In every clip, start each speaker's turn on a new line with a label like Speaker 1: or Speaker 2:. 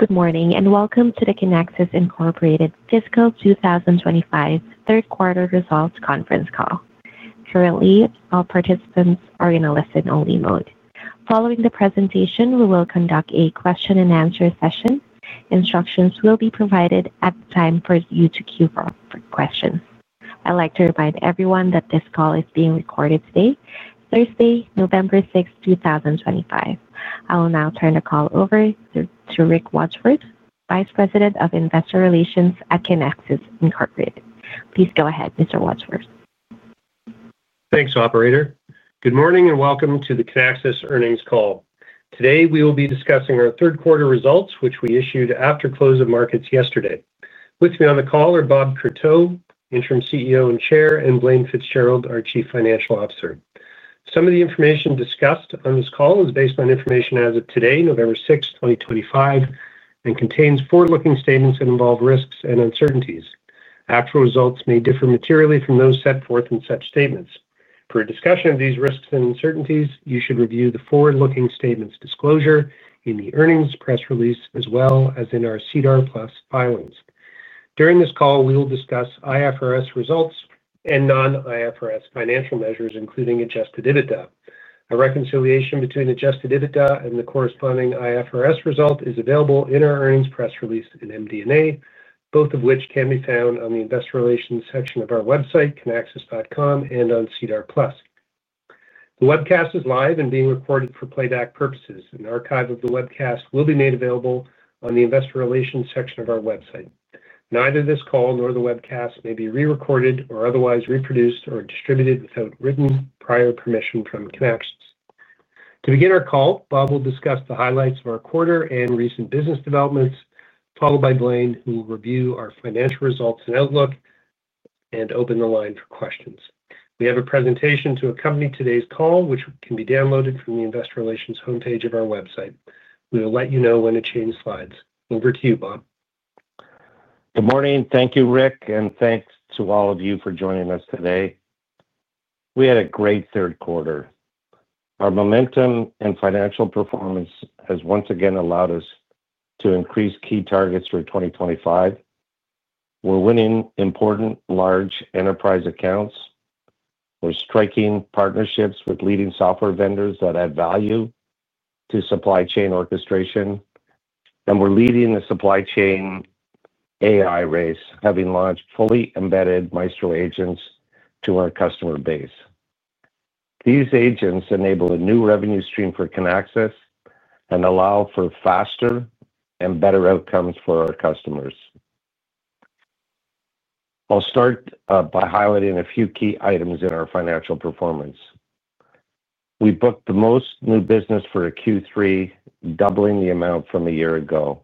Speaker 1: Good morning and welcome to the Kinaxis Fiscal 2025 third quarter results conference call. Currently, all participants are in a listen-only mode. Following the presentation, we will conduct a question-and-answer session. Instructions will be provided at the time for you to queue for questions. I'd like to remind everyone that this call is being recorded today, Thursday, November 6th, 2025. I will now turn the call over to Rick Wadsworth, Vice President of Investor Relations at Kinaxis Inc. Please go ahead, Mr. Wadsworth.
Speaker 2: Thanks, Operator. Good morning and welcome to the Kinaxis earnings call. Today, we will be discussing our third quarter results, which we issued after close of markets yesterday. With me on the call are Bob Courteau, Interim CEO and Chair, and Blaine Fitzgerald, our Chief Financial Officer. Some of the information discussed on this call is based on information as of today, November 6, 2025, and contains forward-looking statements that involve risks and uncertainties. Actual results may differ materially from those set forth in such statements. For a discussion of these risks and uncertainties, you should review the forward-looking statements disclosure in the earnings press release, as well as in our CDR Plus filings. During this call, we will discuss IFRS results and non-IFRS financial measures, including adjusted EBITDA. A reconciliation between adjusted EBITDA and the corresponding IFRS result is available in our earnings press release and MD&A, both of which can be found on the Investor Relations section of our website, kinaxis.com, and on CDR Plus. The webcast is live and being recorded for playback purposes. An archive of the webcast will be made available on the Investor Relations section of our website. Neither this call nor the webcast may be re-recorded or otherwise reproduced or distributed without written prior permission from Kinaxis. To begin our call, Bob will discuss the highlights of our quarter and recent business developments, followed by Blaine, who will review our financial results and outlook and open the line for questions. We have a presentation to accompany today's call, which can be downloaded from the Investor Relations homepage of our website. We will let you know when to change slides. Over to you, Bob.
Speaker 3: Good morning. Thank you, Rick, and thanks to all of you for joining us today. We had a great third quarter. Our momentum and financial performance has once again allowed us to increase key targets for 2025. We're winning important, large enterprise accounts. We're striking partnerships with leading software vendors that add value to supply chain orchestration. We're leading the supply chain AI race, having launched fully embedded Maestro Agents to our customer base. These agents enable a new revenue stream for Kinaxis and allow for faster and better outcomes for our customers. I'll start by highlighting a few key items in our financial performance. We booked the most new business for a Q3, doubling the amount from a year ago.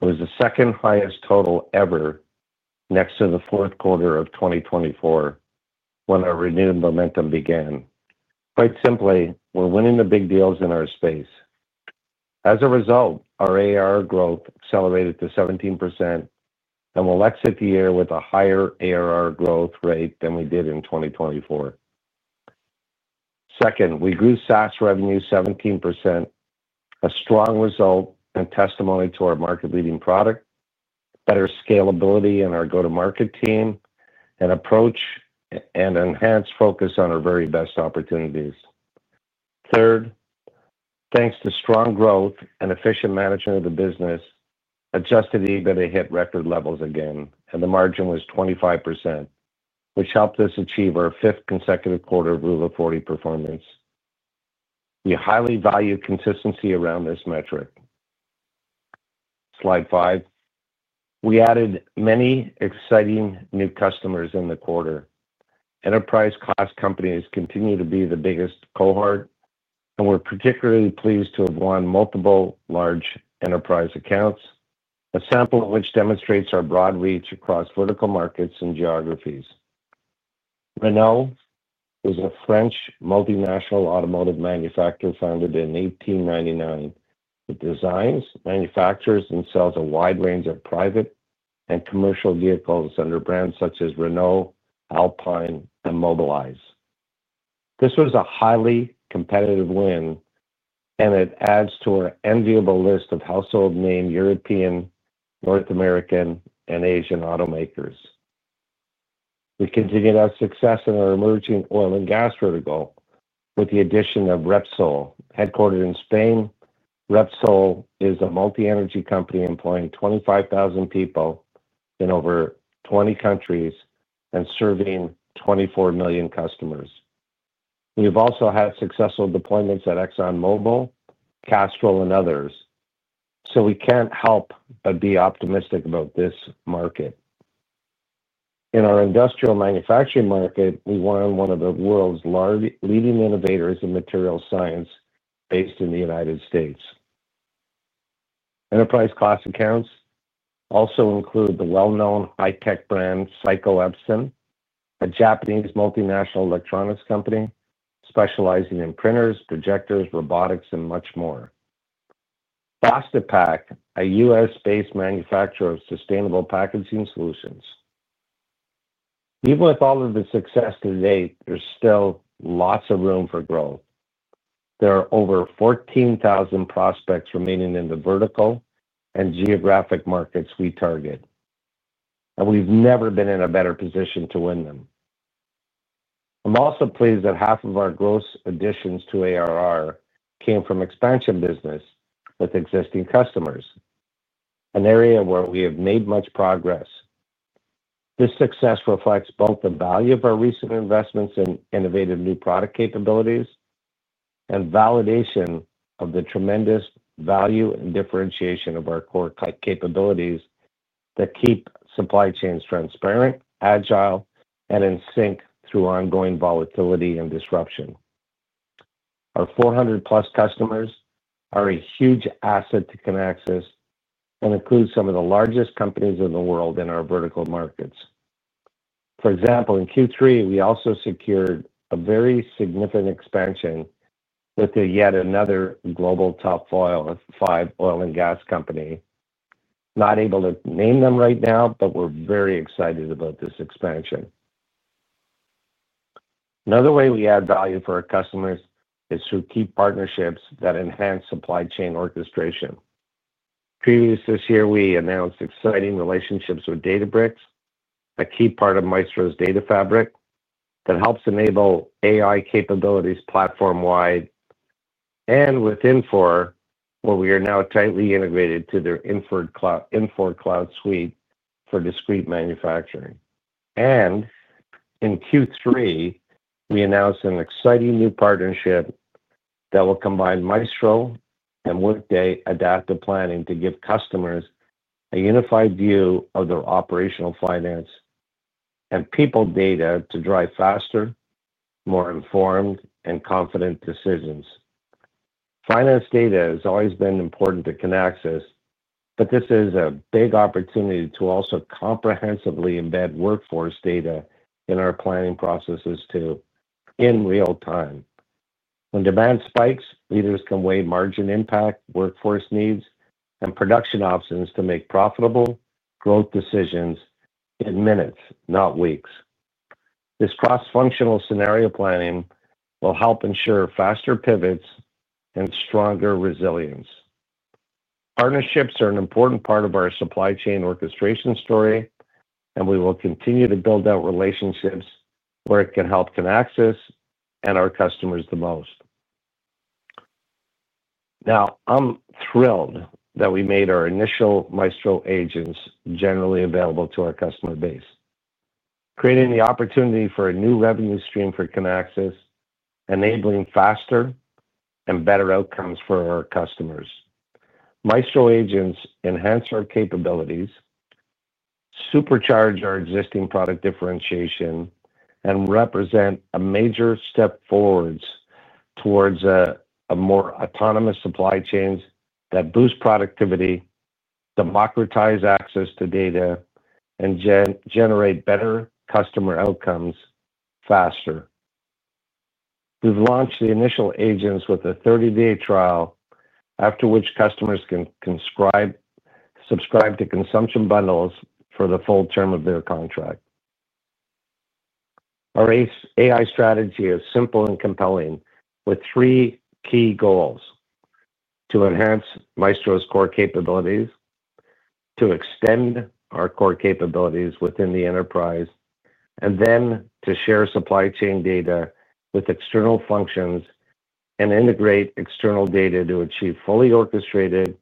Speaker 3: It was the second highest total ever, next to the fourth quarter of 2024, when our renewed momentum began. Quite simply, we're winning the big deals in our space. As a result, our ARR growth accelerated to 17%. We'll exit the year with a higher ARR growth rate than we did in 2024. Second, we grew SaaS revenue 17%. A strong result and testimony to our market-leading product, better scalability in our go-to-market team and approach, and enhanced focus on our very best opportunities. Third, thanks to strong growth and efficient management of the business, adjusted EBITDA hit record levels again, and the margin was 25%. This helped us achieve our fifth consecutive quarter of Rule of 40 performance. We highly value consistency around this metric. Slide five. We added many exciting new customers in the quarter. Enterprise-class companies continue to be the biggest cohort, and we're particularly pleased to have won multiple large enterprise accounts, a sample of which demonstrates our broad reach across vertical markets and geographies. Renault is a French multinational automotive manufacturer founded in 1899. It designs, manufactures, and sells a wide range of private and commercial vehicles under brands such as Renault, Alpine, and Mobilize. This was a highly competitive win, and it adds to our enviable list of household name European, North American, and Asian automakers. We continued our success in our emerging oil and gas vertical with the addition of Repsol, headquartered in Spain. Repsol is a multi-energy company employing 25,000 people in over 20 countries and serving 24 million customers. We have also had successful deployments at ExxonMobil, Castrol, and others. We can't help but be optimistic about this market. In our industrial manufacturing market, we won one of the world's largest leading innovators in materials science based in the United States. Enterprise-class accounts also include the well-known high-tech brand Epson, a Japanese multinational electronics company specializing in printers, projectors, robotics, and much more. Fastapak, a U.S.-based manufacturer of sustainable packaging solutions. Even with all of the success to date, there's still lots of room for growth. There are over 14,000 prospects remaining in the vertical and geographic markets we target. We've never been in a better position to win them. I'm also pleased that half of our gross additions to ARR came from expansion business with existing customers. An area where we have made much progress. This success reflects both the value of our recent investments in innovative new product capabilities. Validation of the tremendous value and differentiation of our core capabilities that keep supply chains transparent, agile, and in sync through ongoing volatility and disruption. Our 400+ customers are a huge asset to Kinaxis and include some of the largest companies in the world in our vertical markets. For example, in Q3, we also secured a very significant expansion with yet another global top five oil and gas company. Not able to name them right now, but we are very excited about this expansion. Another way we add value for our customers is through key partnerships that enhance supply chain orchestration. Earlier this year, we announced exciting relationships with Databricks, a key part of Maestro's data fabric that helps enable AI capabilities platform-wide, and with Infor, where we are now tightly integrated to their Infor Cloud Suite for discrete manufacturing. In Q3, we announced an exciting new partnership. That will combine Maestro and Workday Adaptive Planning to give customers a unified view of their operational finance and people data to drive faster, more informed, and confident decisions. Finance data has always been important to Kinaxis, but this is a big opportunity to also comprehensively embed workforce data in our planning processes too, in real time. When demand spikes, leaders can weigh margin impact, workforce needs, and production options to make profitable growth decisions in minutes, not weeks. This cross-functional scenario planning will help ensure faster pivots and stronger resilience. Partnerships are an important part of our supply chain orchestration story, and we will continue to build out relationships where it can help Kinaxis and our customers the most. Now, I'm thrilled that we made our initial Maestro Agents generally available to our customer base, creating the opportunity for a new revenue stream for Kinaxis, enabling faster and better outcomes for our customers. Maestro Agents enhance our capabilities, supercharge our existing product differentiation, and represent a major step forward towards more autonomous supply chains that boost productivity, democratize access to data, and generate better customer outcomes faster. We've launched the initial agents with a 30-day trial, after which customers can subscribe to consumption bundles for the full term of their contract. Our AI strategy is simple and compelling, with three key goals: to enhance Maestro's core capabilities, to extend our core capabilities within the enterprise, and then to share supply chain data with external functions and integrate external data to achieve fully orchestrated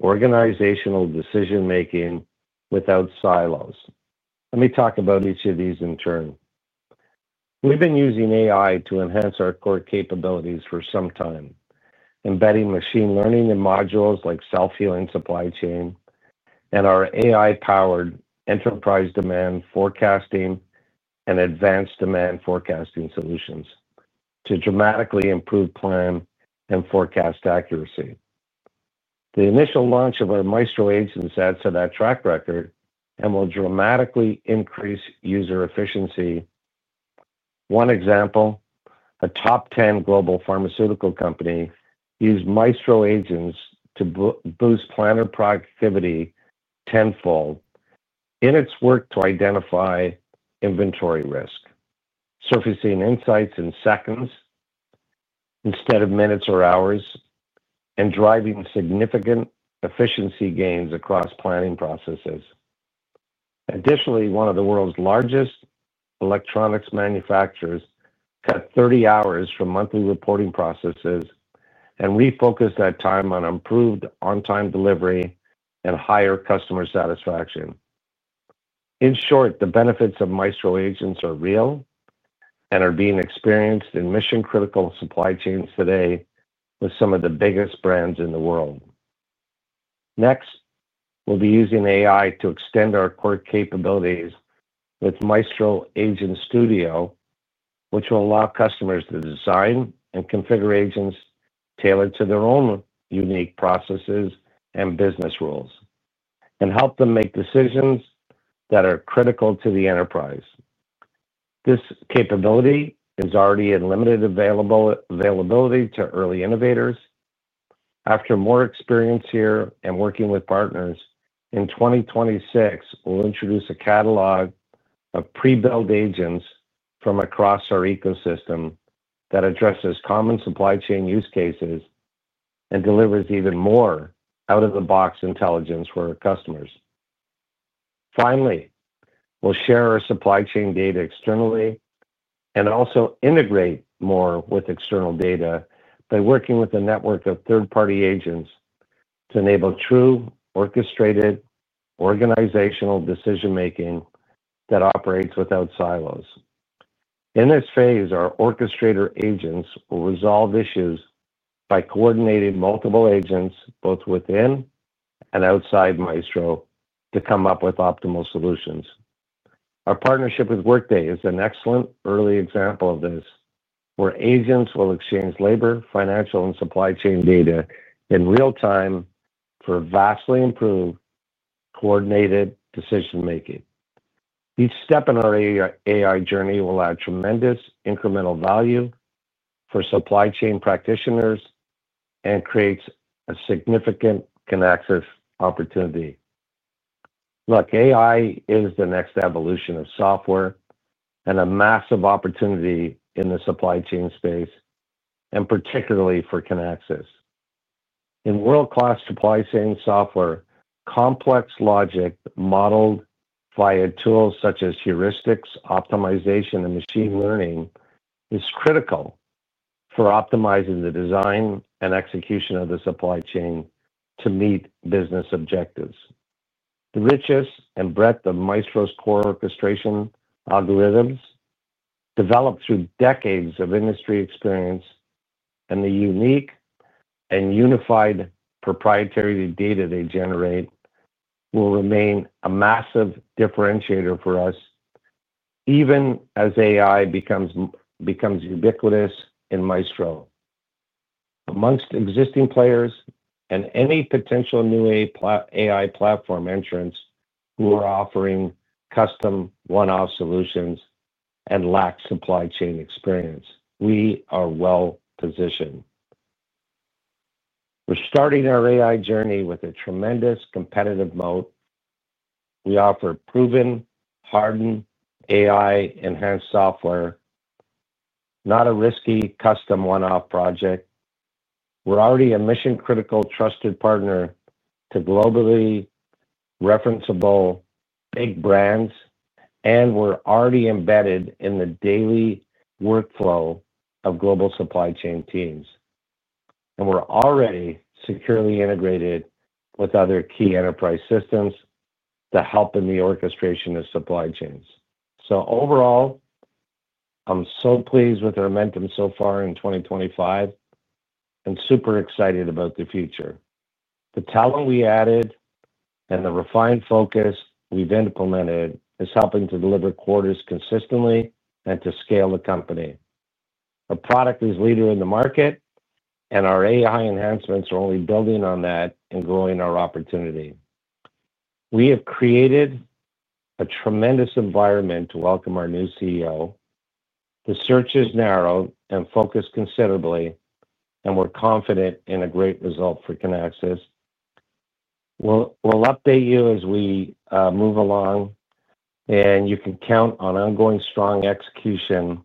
Speaker 3: organizational decision-making without silos. Let me talk about each of these in turn. We've been using AI to enhance our core capabilities for some time, embedding machine learning in modules like Self-Healing Supply Chain and our AI-Powered Enterprise Demand Forecasting and Advanced Demand Forecasting solutions to dramatically improve plan and forecast accuracy. The initial launch of our Maestro Agents adds to that track record and will dramatically increase user efficiency. One example, a top 10 global pharmaceutical company used Maestro Agents to boost planner productivity tenfold in its work to identify inventory risk, surfacing insights in seconds instead of minutes or hours, and driving significant efficiency gains across planning processes. Additionally, one of the world's largest electronics manufacturers cut 30 hours from monthly reporting processes, and we focused that time on improved on-time delivery and higher customer satisfaction. In short, the benefits of Maestro Agents are real. Are being experienced in mission-critical supply chains today with some of the biggest brands in the world. Next, we will be using AI to extend our core capabilities with Maestro Agent Studio, which will allow customers to design and configure agents tailored to their own unique processes and business rules and help them make decisions that are critical to the enterprise. This capability is already in limited availability to early innovators. After more experience here and working with partners, in 2026, we will introduce a catalog of pre-built agents from across our ecosystem that addresses common supply chain use cases and delivers even more out-of-the-box intelligence for our customers. Finally, we will share our supply chain data externally and also integrate more with external data by working with a network of third-party agents to enable true orchestrated organizational decision-making that operates without silos. In this phase, our orchestrator agents will resolve issues by coordinating multiple agents, both within and outside Maestro, to come up with optimal solutions. Our partnership with Workday is an excellent early example of this, where agents will exchange labor, financial, and supply chain data in real time for vastly improved, coordinated decision-making. Each step in our AI journey will add tremendous incremental value for supply chain practitioners and creates a significant Kinaxis opportunity. Look, AI is the next evolution of software and a massive opportunity in the supply chain space. Particularly for Kinaxis. In world-class supply chain software, complex logic modeled via tools such as heuristics, optimization, and machine learning is critical for optimizing the design and execution of the supply chain to meet business objectives. The richness and breadth of Maestro's core orchestration algorithms, developed through decades of industry experience, and the unique and unified proprietary data they generate will remain a massive differentiator for us. Even as AI becomes ubiquitous in Maestro. Amongst existing players and any potential new AI platform entrants who are offering custom one-off solutions and lack supply chain experience, we are well positioned. We're starting our AI journey with a tremendous competitive moat. We offer proven, hardened AI-enhanced software, not a risky custom one-off project. We're already a mission-critical trusted partner to globally referenceable big brands, and we're already embedded in the daily workflow of global supply chain teams. We're already securely integrated with other key enterprise systems to help in the orchestration of supply chains. Overall, I'm so pleased with our momentum so far in 2025 and super excited about the future. The talent we added and the refined focus we've implemented is helping to deliver quarters consistently and to scale the company. Our product is leader in the market. Our AI enhancements are only building on that and growing our opportunity. We have created a tremendous environment to welcome our new CEO. The search is narrow and focused considerably, and we're confident in a great result for Kinaxis. We'll update you as we move along. You can count on ongoing strong execution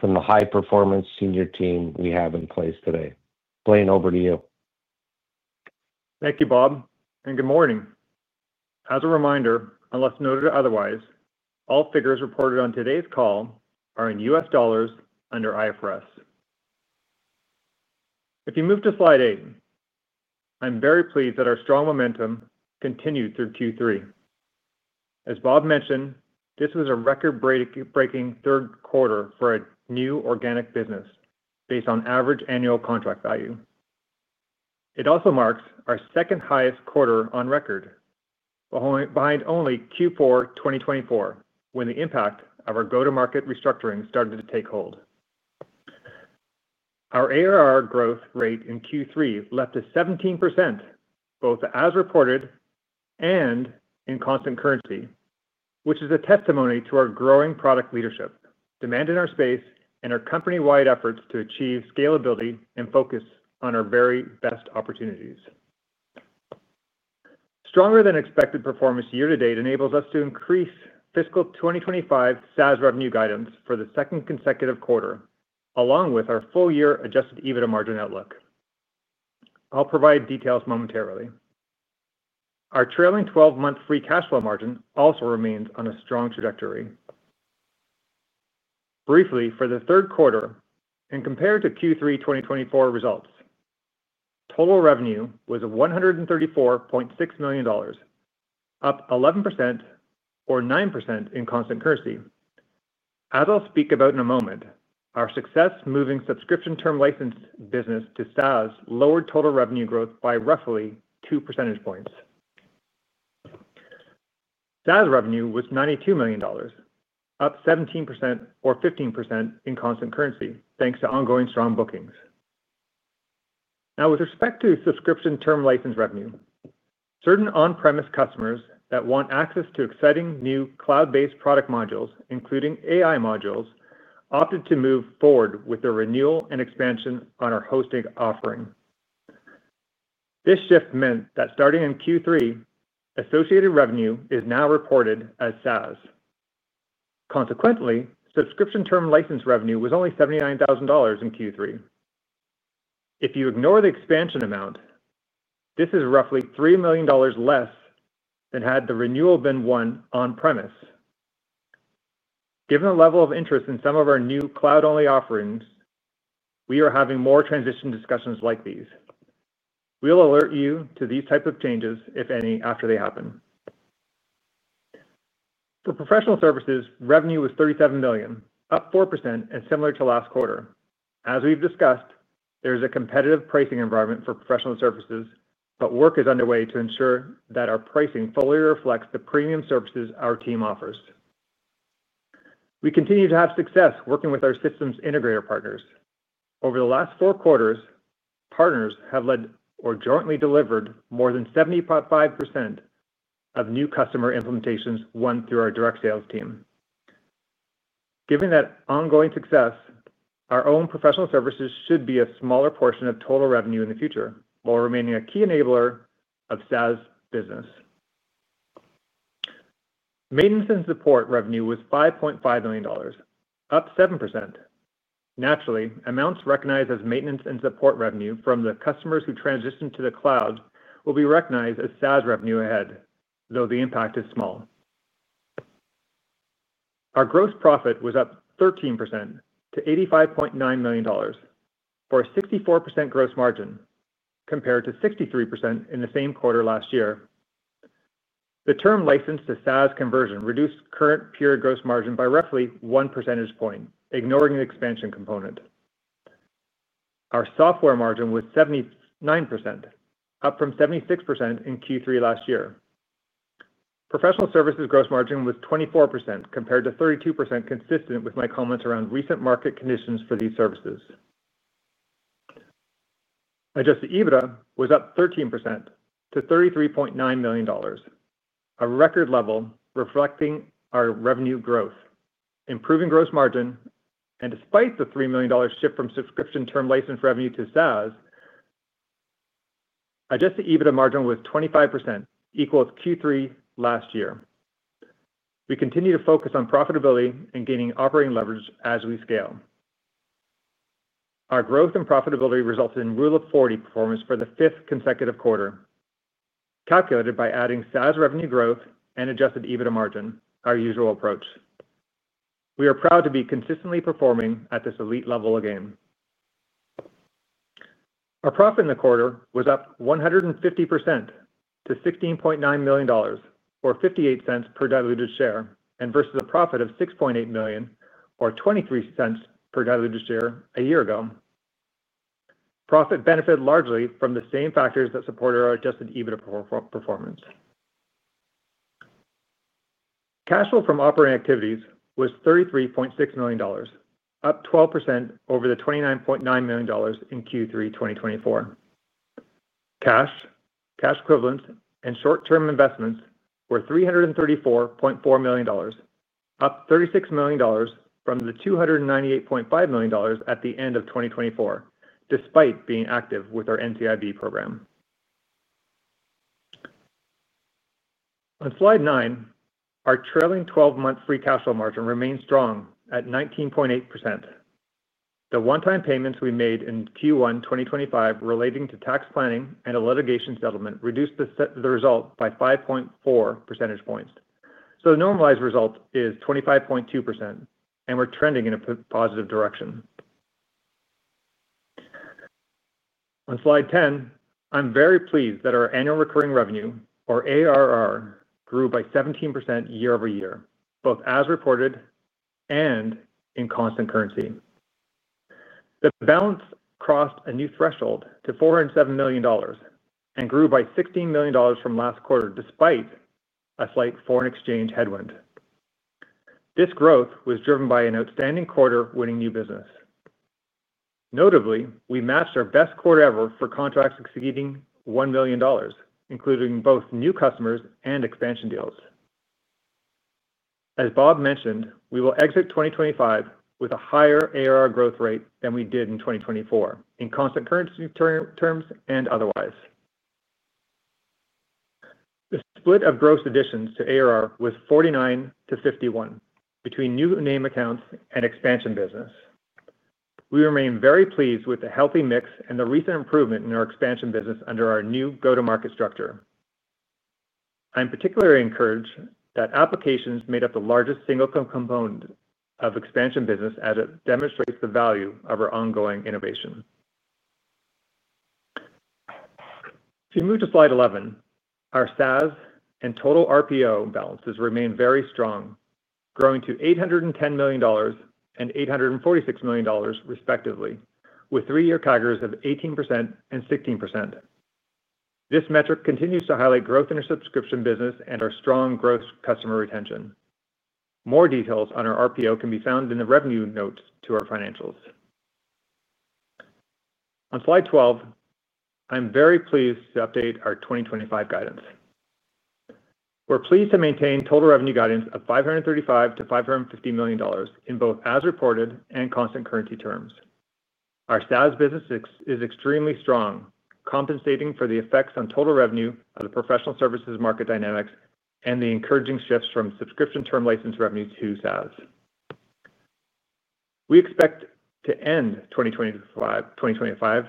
Speaker 3: from the high-performance senior team we have in place today. Blaine, over to you.
Speaker 4: Thank you, Bob. Good morning. As a reminder, unless noted otherwise, all figures reported on today's call are in US dollars under IFRS. If you move to slide eight. I'm very pleased that our strong momentum continued through Q3. As Bob mentioned, this was a record-breaking third quarter for new organic business based on average annual contract value. It also marks our second-highest quarter on record, behind only Q4 2024, when the impact of our go-to-market restructuring started to take hold. Our ARR growth rate in Q3 left us 17%, both as reported and in constant currency, which is a testimony to our growing product leadership, demand in our space, and our company-wide efforts to achieve scalability and focus on our very best opportunities. Stronger-than-expected performance year to date enables us to increase fiscal 2025 SaaS revenue guidance for the second consecutive quarter, along with our full-year adjusted EBITDA margin outlook. I'll provide details momentarily. Our trailing 12-month free cash flow margin also remains on a strong trajectory. Briefly, for the third quarter, and compared to Q3 2024 results, total revenue was $134.6 million. Up 11% or 9% in constant currency. As I'll speak about in a moment, our success moving subscription term license business to SaaS lowered total revenue growth by roughly two percentage points. SaaS revenue was $92 million, up 17% or 15% in constant currency, thanks to ongoing strong bookings. Now, with respect to subscription term license revenue, certain on-premise customers that want access to exciting new cloud-based product modules, including AI modules, opted to move forward with the renewal and expansion on our hosting offering. This shift meant that starting in Q3, associated revenue is now reported as SaaS. Consequently, subscription term license revenue was only $79,000 in Q3. If you ignore the expansion amount, this is roughly $3 million less than had the renewal been one on-premise. Given the level of interest in some of our new cloud-only offerings, we are having more transition discussions like these. We'll alert you to these types of changes, if any, after they happen. For professional services, revenue was $37 million, up 4%, and similar to last quarter. As we've discussed, there is a competitive pricing environment for professional services, but work is underway to ensure that our pricing fully reflects the premium services our team offers. We continue to have success working with our systems integrator partners. Over the last four quarters, partners have led or jointly delivered more than 75% of new customer implementations won through our direct sales team. Given that ongoing success, our own professional services should be a smaller portion of total revenue in the future, while remaining a key enabler of SaaS business. Maintenance and support revenue was $5.5 million, up 7%. Naturally, amounts recognized as maintenance and support revenue from the customers who transitioned to the cloud will be recognized as SaaS revenue ahead, though the impact is small. Our gross profit was up 13% to $85.9 million, for a 64% gross margin compared to 63% in the same quarter last year. The term license to SaaS conversion reduced current pure gross margin by roughly one percentage point, ignoring the expansion component. Our software margin was 79%, up from 76% in Q3 last year. Professional services gross margin was 24%, compared to 32%, consistent with my comments around recent market conditions for these services. Adjusted EBITDA was up 13% to $33.9 million, a record level reflecting our revenue growth, improving gross margin, and despite the $3 million shift from subscription term license revenue to SaaS. Adjusted EBITDA margin was 25%, equal to Q3 last year. We continue to focus on profitability and gaining operating leverage as we scale. Our growth and profitability resulted in rule of 40 performance for the fifth consecutive quarter. Calculated by adding SaaS revenue growth and adjusted EBITDA margin, our usual approach. We are proud to be consistently performing at this elite level again. Our profit in the quarter was up 150% to $16.9 million, or $0.58 per diluted share, and versus a profit of $6.8 million, or $0.23 per diluted share a year ago. Profit benefited largely from the same factors that supported our adjusted EBITDA performance. Cash flow from operating activities was $33.6 million, up 12% over the $29.9 million in Q3 2024. Cash, cash equivalents, and short-term investments were $334.4 million, up $36 million from the $298.5 million at the end of 2024, despite being active with our NCIB program. On slide nine, our trailing 12-month free cash flow margin remained strong at 19.8%. The one-time payments we made in Q1 2025 relating to tax planning and a litigation settlement reduced the result by 5.4 percentage points. The normalized result is 25.2%, and we're trending in a positive direction. On slide 10, I'm very pleased that our annual recurring revenue, or ARR, grew by 17% year over year, both as reported and in constant currency. The balance crossed a new threshold to $407 million and grew by $16 million from last quarter, despite a slight foreign exchange headwind. This growth was driven by an outstanding quarter-winning new business. Notably, we matched our best quarter ever for contracts exceeding $1 million, including both new customers and expansion deals. As Bob mentioned, we will exit 2025 with a higher ARR growth rate than we did in 2024, in constant currency terms and otherwise. The split of gross additions to ARR was 49/51 between new name accounts and expansion business. We remain very pleased with the healthy mix and the recent improvement in our expansion business under our new go-to-market structure. I'm particularly encouraged that applications made up the largest single component of expansion business, as it demonstrates the value of our ongoing innovation. If you move to slide 11, our SaaS and total RPO balances remain very strong, growing to $810 million and $846 million, respectively, with three-year CAGRs of 18% and 16%. This metric continues to highlight growth in our subscription business and our strong gross customer retention. More details on our RPO can be found in the revenue notes to our financials. On slide 12, I'm very pleased to update our 2025 guidance. We're pleased to maintain total revenue guidance of $535 million-$550 million in both as reported and constant currency terms. Our SaaS business is extremely strong, compensating for the effects on total revenue of the professional services market dynamics and the encouraging shifts from subscription term license revenue to SaaS. We expect to end 2025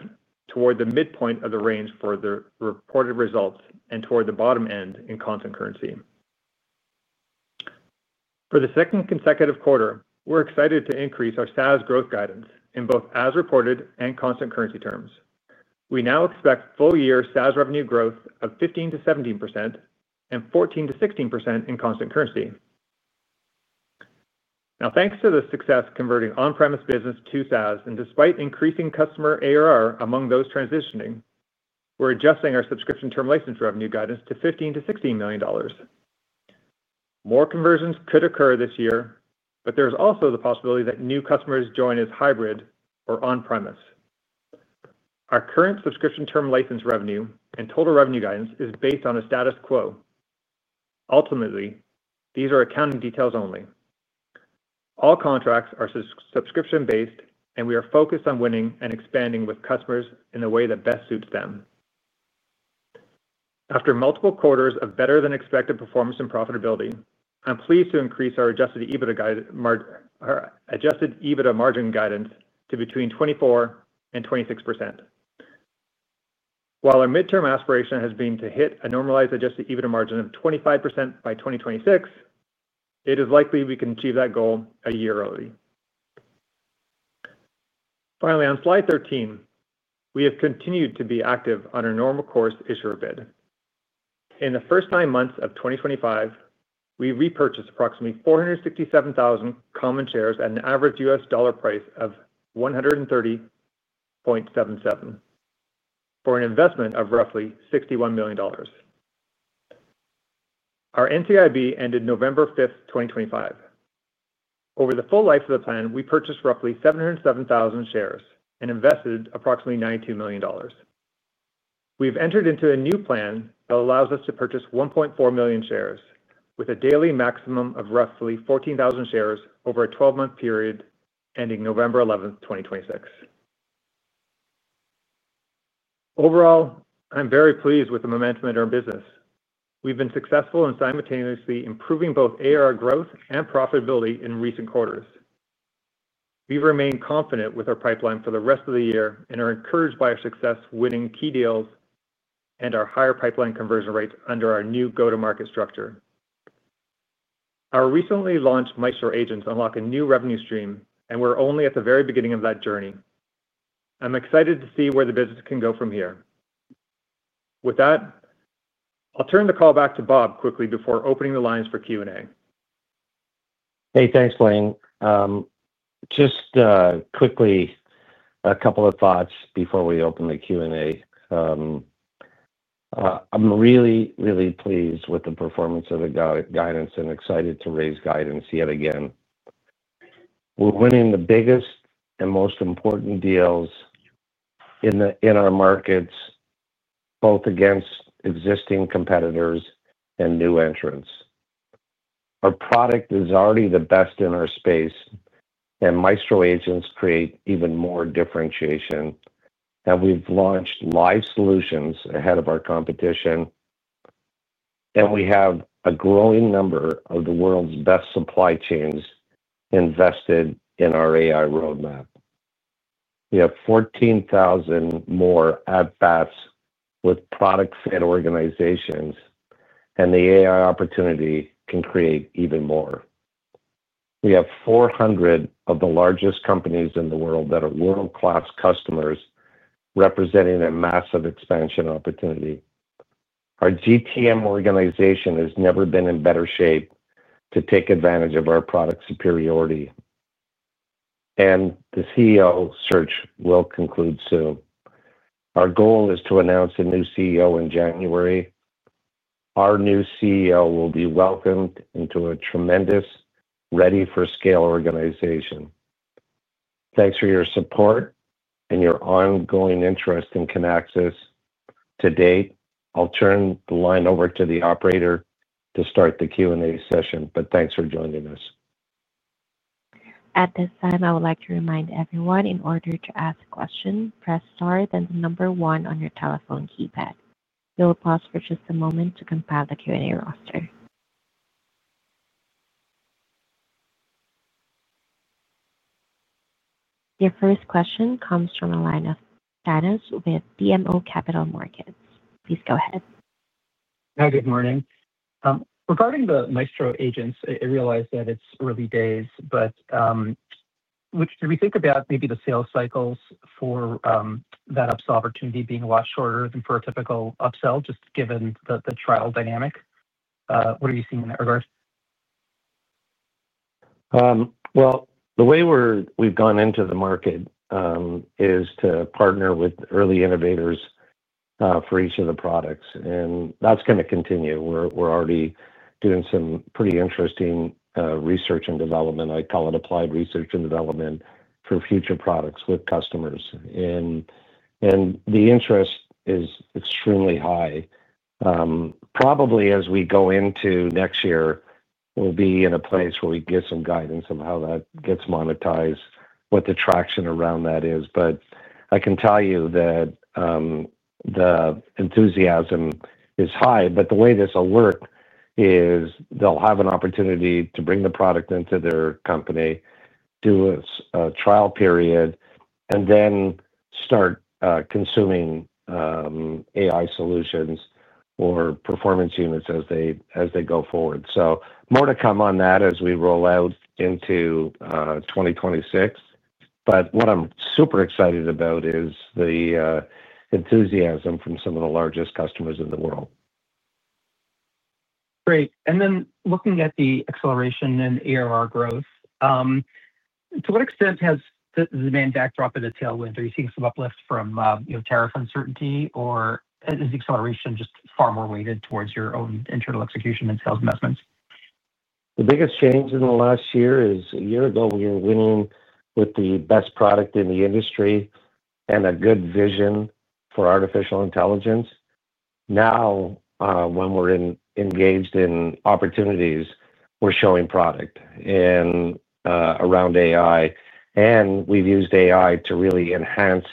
Speaker 4: toward the midpoint of the range for the reported results and toward the bottom end in constant currency. For the second consecutive quarter, we're excited to increase our SaaS growth guidance in both as reported and constant currency terms. We now expect full-year SaaS revenue growth of 15%-17% and 14%-16% in constant currency. Now, thanks to the success converting on-premise business to SaaS, and despite increasing customer ARR among those transitioning, we're adjusting our subscription term license revenue guidance to $15 million-$16 million. More conversions could occur this year, but there's also the possibility that new customers join as hybrid or on-premise. Our current subscription term license revenue and total revenue guidance is based on the status quo. Ultimately, these are accounting details only. All contracts are subscription-based, and we are focused on winning and expanding with customers in the way that best suits them. After multiple quarters of better-than-expected performance and profitability, I'm pleased to increase our adjusted EBITDA margin guidance to between 24%-26%. While our midterm aspiration has been to hit a normalized adjusted EBITDA margin of 25% by 2026. It is likely we can achieve that goal a year early. Finally, on slide 13, we have continued to be active on our normal course issuer bid. In the first nine months of 2025, we repurchased approximately 467,000 common shares at an average US dollar price of $130.77 for an investment of roughly $61 million. Our NCIB ended November 5, 2025. Over the full life of the plan, we purchased roughly 707,000 shares and invested approximately $92 million. We've entered into a new plan that allows us to purchase 1.4 million shares with a daily maximum of roughly 14,000 shares over a 12-month period ending November 11, 2026. Overall, I'm very pleased with the momentum in our business. We've been successful in simultaneously improving both ARR growth and profitability in recent quarters. We remain confident with our pipeline for the rest of the year and are encouraged by our success winning key deals and our higher pipeline conversion rates under our new go-to-market structure. Our recently launched Maestro Agents unlock a new revenue stream, and we're only at the very beginning of that journey. I'm excited to see where the business can go from here. With that, I'll turn the call back to Bob quickly before opening the lines for Q&A.
Speaker 3: Hey, thanks, Blaine. Just quickly, a couple of thoughts before we open the Q&A. I'm really, really pleased with the performance of the guidance and excited to raise guidance yet again. We're winning the biggest and most important deals in our markets, both against existing competitors and new entrants. Our product is already the best in our space, and Maestro Agents create even more differentiation. We have launched live solutions ahead of our competition. We have a growing number of the world's best supply chains invested in our AI roadmap. We have 14,000 more at-bats with products and organizations, and the AI opportunity can create even more. We have 400 of the largest companies in the world that are world-class customers, representing a massive expansion opportunity. Our GTM organization has never been in better shape to take advantage of our product superiority. The CEO search will conclude soon. Our goal is to announce a new CEO in January. Our new CEO will be welcomed into a tremendous, ready-for-scale organization. Thanks for your support and your ongoing interest in Kinaxis. At this time, I'll turn the line over to the operator to start the Q&A session, but thanks for joining us.
Speaker 1: At this time, I would like to remind everyone, in order to ask a question, press "star" and the number one on your telephone keypad. We will pause for just a moment to compile the Q&A roster. Your first question comes from a line of [Claus] with BMO Capital Markets. Please go ahead. Hi, good morning. Regarding the Maestro Agents, I realize that it's early days, but should we think about maybe the sales cycles for that upsell opportunity being a lot shorter than for a typical upsell, just given the trial dynamic? What are you seeing in that regard?
Speaker 3: The way we've gone into the market is to partner with early innovators for each of the products, and that's going to continue. We're already doing some pretty interesting research and development. I call it applied research and development for future products with customers. The interest is extremely high. Probably as we go into next year, we'll be in a place where we get some guidance on how that gets monetized, what the traction around that is. I can tell you that the enthusiasm is high, but the way this will work is they'll have an opportunity to bring the product into their company, do a trial period, and then start consuming AI solutions or performance units as they go forward. More to come on that as we roll out into 2026. What I'm super excited about is the enthusiasm from some of the largest customers in the world. Great. Looking at the acceleration in ARR growth, to what extent has the demand backdropped at a tailwind? Are you seeing some uplift from tariff uncertainty, or is the acceleration just far more weighted towards your own internal execution and sales investments? The biggest change in the last year is a year ago, we were winning with the best product in the industry and a good vision for artificial intelligence. Now, when we're engaged in opportunities, we're showing product around AI, and we've used AI to really enhance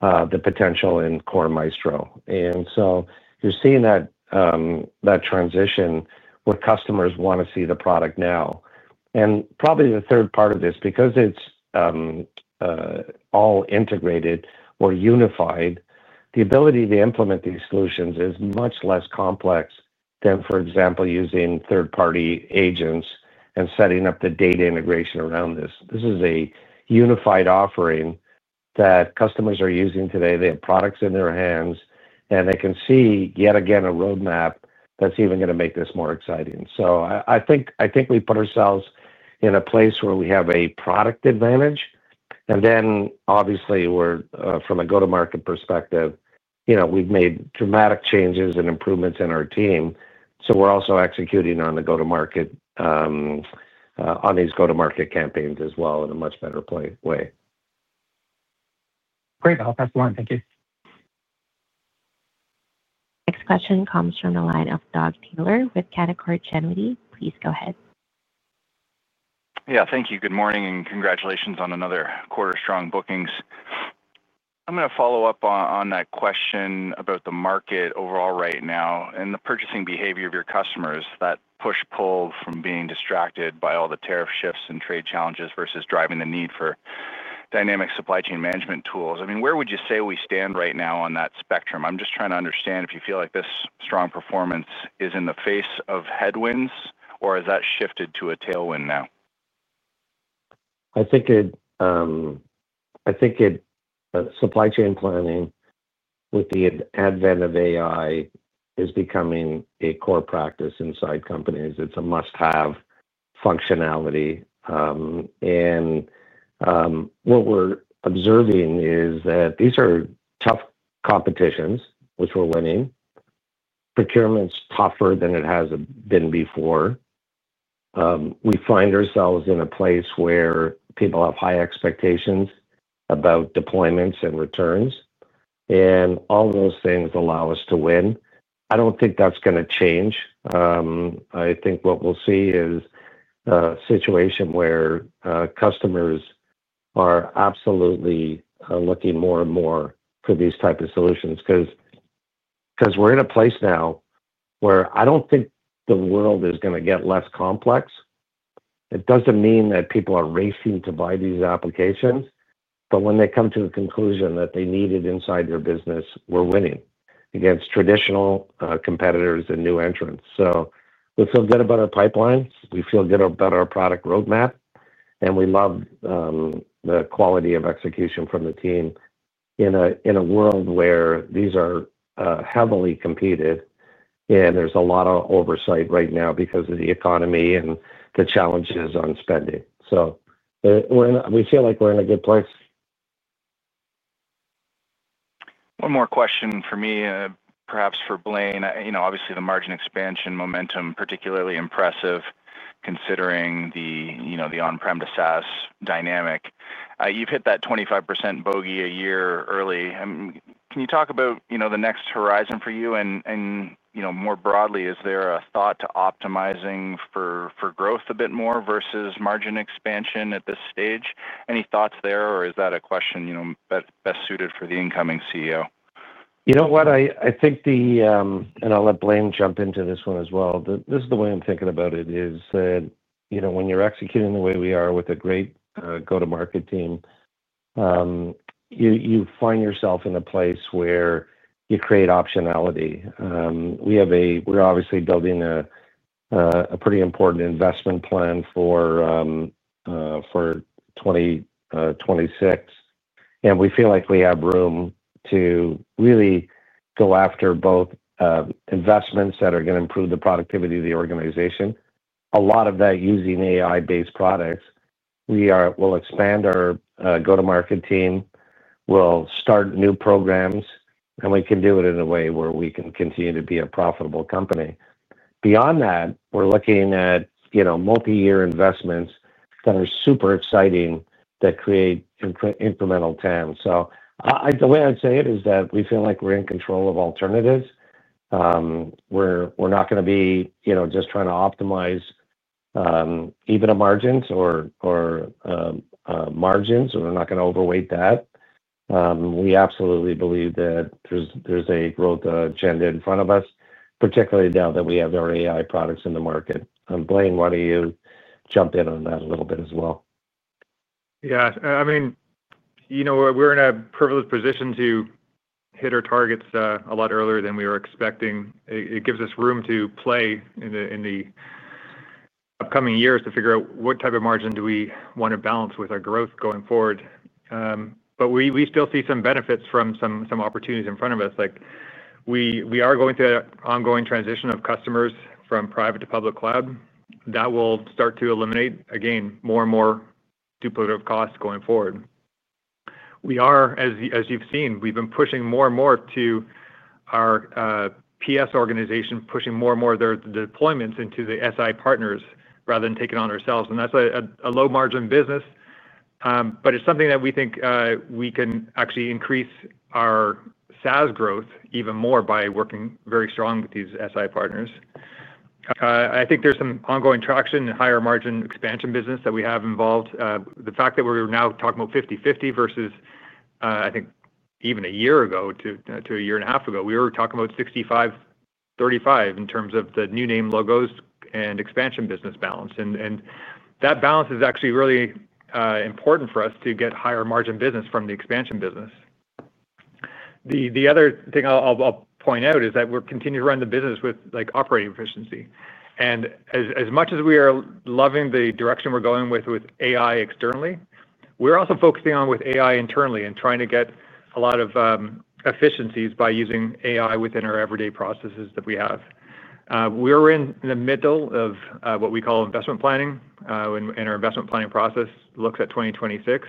Speaker 3: the potential in core Maestro. And so you're seeing that transition where customers want to see the product now. Probably the third part of this, because it's all integrated or unified, the ability to implement these solutions is much less complex than, for example, using third-party agents and setting up the data integration around this. This is a unified offering that customers are using today. They have products in their hands, and they can see yet again a roadmap that's even going to make this more exciting. I think we put ourselves in a place where we have a product advantage. Obviously, from a go-to-market perspective, we've made dramatic changes and improvements in our team. We're also executing on the go-to-market. On these go-to-market campaigns as well in a much better way. Great. I'll pass the line. Thank you.
Speaker 1: Next question comes from the line of Doug Taylor with Canaccord Genuity. Please go ahead.
Speaker 5: Yeah, thank you. Good morning and congratulations on another quarter-strong bookings. I'm going to follow up on that question about the market overall right now and the purchasing behavior of your customers, that push-pull from being distracted by all the tariff shifts and trade challenges versus driving the need for dynamic supply chain management tools. I mean, where would you say we stand right now on that spectrum? I'm just trying to understand if you feel like this strong performance is in the face of headwinds, or has that shifted to a tailwind now?
Speaker 3: I think supply chain planning with the advent of AI is becoming a core practice inside companies. It's a must-have functionality. What we're observing is that these are tough competitions, which we're winning. Procurement's tougher than it has been before. We find ourselves in a place where people have high expectations about deployments and returns. All those things allow us to win. I don't think that's going to change. I think what we'll see is a situation where customers are absolutely looking more and more for these types of solutions because we're in a place now where I don't think the world is going to get less complex. It doesn't mean that people are racing to buy these applications, but when they come to the conclusion that they need it inside their business, we're winning against traditional competitors and new entrants. We feel good about our pipeline. We feel good about our product roadmap, and we love the quality of execution from the team in a world where these are heavily competed, and there's a lot of oversight right now because of the economy and the challenges on spending. We feel like we're in a good place.
Speaker 5: One more question for me, perhaps for Blaine. Obviously, the margin expansion momentum is particularly impressive considering the on-prem to SaaS dynamic. You've hit that 25% bogey a year early. Can you talk about the next horizon for you? And more broadly, is there a thought to optimizing for growth a bit more versus margin expansion at this stage? Any thoughts there, or is that a question best suited for the incoming CEO?
Speaker 3: You know what? I think the—and I'll let Blaine jump into this one as well—this is the way I'm thinking about it—is that when you're executing the way we are with a great go-to-market team, you find yourself in a place where you create optionality. We're obviously building a pretty important investment plan for 2026, and we feel like we have room to really go after both investments that are going to improve the productivity of the organization, a lot of that using AI-based products. We will expand our go-to-market team, we'll start new programs, and we can do it in a way where we can continue to be a profitable company. Beyond that, we're looking at multi-year investments that are super exciting that create incremental 10. The way I'd say it is that we feel like we're in control of alternatives. We're not going to be just trying to optimize even a margin or margins, and we're not going to overweight that. We absolutely believe that there's a growth agenda in front of us, particularly now that we have our AI products in the market. Blaine, why don't you jump in on that a little bit as well?
Speaker 4: Yeah. I mean, we're in a privileged position to hit our targets a lot earlier than we were expecting. It gives us room to play in the upcoming years to figure out what type of margin do we want to balance with our growth going forward. We still see some benefits from some opportunities in front of us. We are going through an ongoing transition of customers from private to public cloud. That will start to eliminate, again, more and more duplicative costs going forward. As you've seen, we've been pushing more and more to our PS organization, pushing more and more of their deployments into the SI partners rather than taking on ourselves. That's a low-margin business, but it's something that we think we can actually increase our SaaS growth even more by working very strong with these SI partners. I think there's some ongoing traction in higher margin expansion business that we have involved. The fact that we're now talking about 50/50 versus, I think, even a year ago to a year and a half ago, we were talking about 65/35 in terms of the new name logos and expansion business balance. That balance is actually really important for us to get higher margin business from the expansion business.
Speaker 3: The other thing I'll point out is that we're continuing to run the business with operating efficiency. As much as we are loving the direction we're going with AI externally, we're also focusing on with AI internally and trying to get a lot of efficiencies by using AI within our everyday processes that we have. We're in the middle of what we call investment planning, and our investment planning process looks at 2026.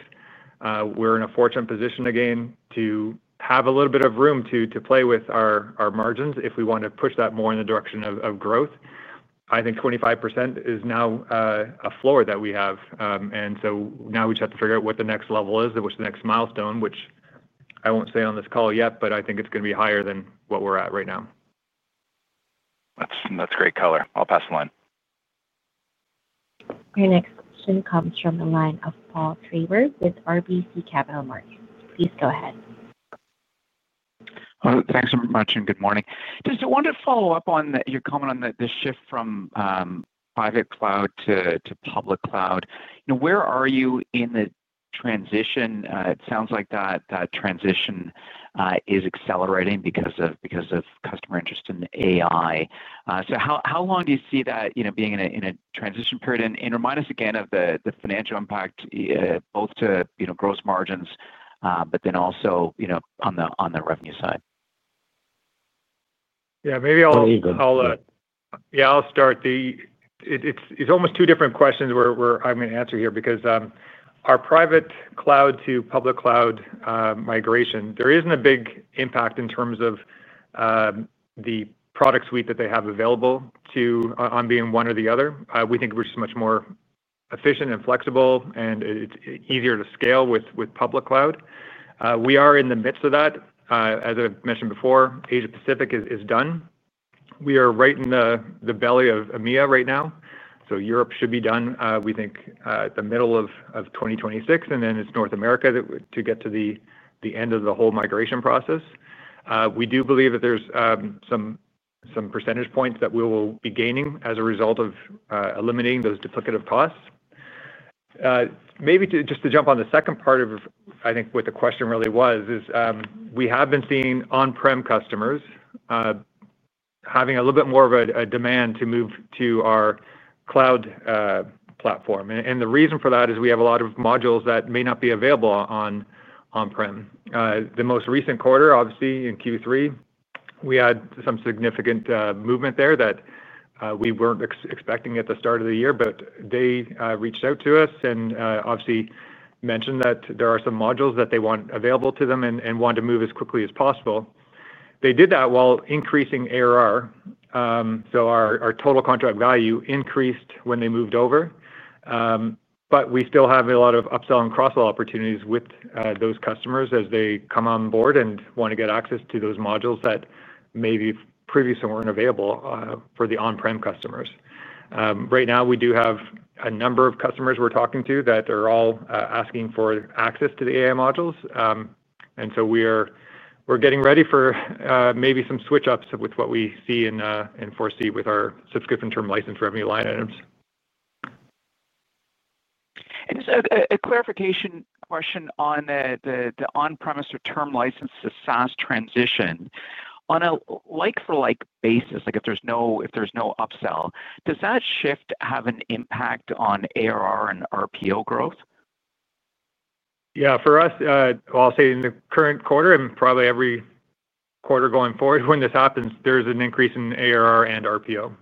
Speaker 3: We're in a fortunate position again to have a little bit of room to play with our margins if we want to push that more in the direction of growth. I think 25% is now a floor that we have. Now we just have to figure out what the next level is, which the next milestone, which I will not say on this call yet, but I think it is going to be higher than what we are at right now.
Speaker 5: That is great color. I will pass the line.
Speaker 1: Your next question comes from the line of Paul Treiber with RBC Capital Markets. Please go ahead.
Speaker 6: Thanks very much and good morning. Just wanted to follow up on your comment on the shift from Private Cloud to Public Cloud. Where are you in the transition? It sounds like that transition is accelerating because of customer interest in AI. How long do you see that being in a transition period? Remind us again of the financial impact, both to gross margins, but then also on the revenue side.
Speaker 4: Yeah. Maybe I will. Yeah, I will start. It's almost two different questions I'm going to answer here because our private cloud to public cloud migration, there isn't a big impact in terms of the product suite that they have available to on being one or the other. We think we're just much more efficient and flexible, and it's easier to scale with public cloud. We are in the midst of that. As I've mentioned before, Asia-Pacific is done. We are right in the belly of EMEA right now. Europe should be done, we think, at the middle of 2026, and then it's North America to get to the end of the whole migration process. We do believe that there's some percentage points that we will be gaining as a result of eliminating those duplicative costs.
Speaker 3: Maybe just to jump on the second part of, I think, what the question really was, is we have been seeing on-prem customers having a little bit more of a demand to move to our cloud platform. The reason for that is we have a lot of modules that may not be available on on-prem. The most recent quarter, obviously, in Q3, we had some significant movement there that we were not expecting at the start of the year, but they reached out to us and obviously mentioned that there are some modules that they want available to them and want to move as quickly as possible. They did that while increasing ARR. Our total contract value increased when they moved over. We still have a lot of upsell and cross-sell opportunities with those customers as they come on board and want to get access to those modules that maybe previously were not available for the on-prem customers. Right now, we do have a number of customers we are talking to that are all asking for access to the AI modules. We are getting ready for maybe some switch-ups with what we see in 4C with our subscription term license revenue line items.
Speaker 6: Just a clarification question on the on-premise or term license to SaaS transition. On a like-for-like basis, like if there is no upsell, does that shift have an impact on ARR and RPO growth?
Speaker 3: Yeah. For us, I will say in the current quarter and probably every quarter going forward when this happens, there is an increase in ARR and RPO.